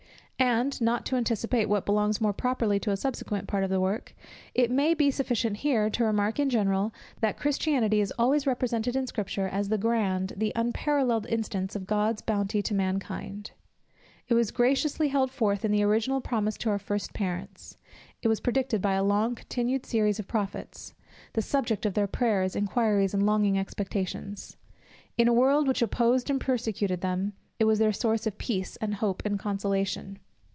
And (not to anticipate what belongs more properly to a subsequent part of the work) it may be sufficient here to remark in general, that Christianity is always represented in Scripture as the grand, the unparalleled instance of God's bounty to mankind. It was graciously held forth in the original promise to our first parents; it was predicted by a long continued series of prophets; the subject of their prayers, inquiries, and longing expectations. In a world, which opposed and persecuted them, it was their source of peace, and hope, and consolation.